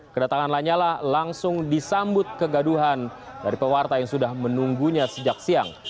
kedatangan lanyala langsung disambut kegaduhan dari pewarta yang sudah menunggunya sejak siang